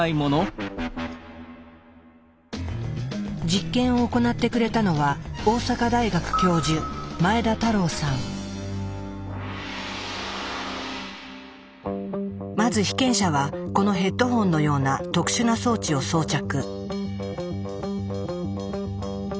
実験を行ってくれたのはまず被験者はこのヘッドホンのような特殊な装置を装着。